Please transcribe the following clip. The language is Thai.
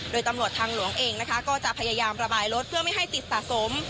โดยตำรวจทางหลวงเองนะคะก็จะพยายามระบายรถเพื่อไม่ให้ติดสะสม